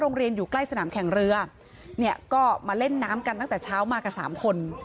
อยู่ใกล้สนามแข่งเรือเนี่ยก็มาเล่นน้ำกันตั้งแต่เช้ามากับสามคน